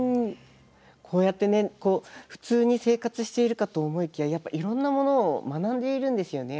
こうやってね普通に生活しているかと思いきやいろんなものを学んでいるんですよね子どもは。